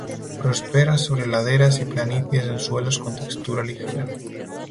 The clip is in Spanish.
Prospera sobre laderas y planicies en suelos con textura ligera.